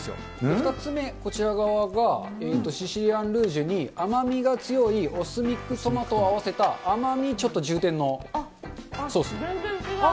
２つ目、こちら側がシシリアンルージュに、甘みが強いオスミックトマトを合わせた、全然違う。